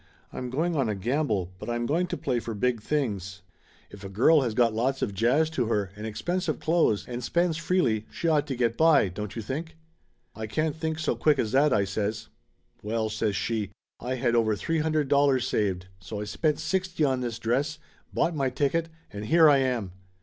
"I'm going on a gamble, but I'm going to play for big Laughter Limited 59 things. If a girl has got lots of jazz to her, and ex pensive clothes, and spends freely, she ought to get by, don't you think?" "I can't think so quick as that!" I says. "Well," says she, "I had over three hundred dollars saved, so I spent sixty on this dress, bought my ticket, and here I am